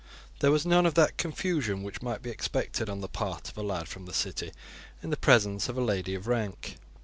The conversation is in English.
There was none of that confusion which might be expected on the part of a lad from the city in the presence of a lady of rank.